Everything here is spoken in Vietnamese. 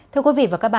thưa quý vị và các bạn